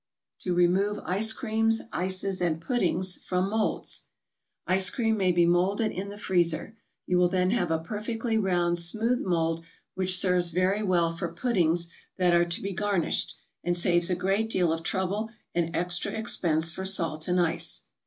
TO REMOVE ICE CREAMS, ICES AND PUDDINGS FROM MOLDS Ice cream may be molded in the freezer; you will then have a perfectly round smooth mold, which serves very well for puddings that are to be garnished, and saves a great deal of trouble and extra expense for salt and ice.